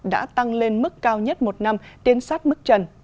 đã tăng lên mức cao nhất một năm tiến sát mức trần